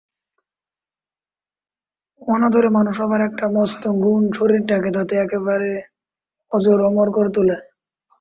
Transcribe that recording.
অনাদরে মানুষ হবার একটা মস্ত গুণ শরীরটাকে তাতে একেবারে অজর অমর করে তোলে।